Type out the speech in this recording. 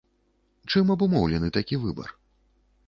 Чым абумоўлены такі выбар?